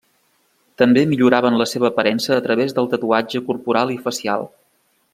També milloraven la seva aparença a través del tatuatge corporal i facial.